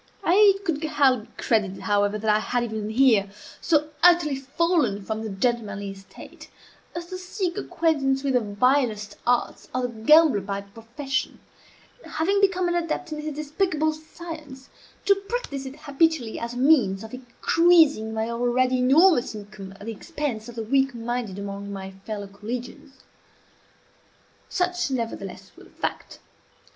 It could hardly be credited, however, that I had even here, so utterly fallen from the gentlemanly estate as to seek acquaintance with the vilest arts of the gambler by profession, and, having become an adept in his despicable science, to practise it habitually as a means of increasing my already enormous income at the expense of the weak minded among my fellow collegians. Such, nevertheless, was the fact.